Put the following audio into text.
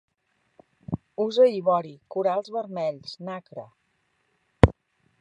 Usa ivori, corals vermells, nacre.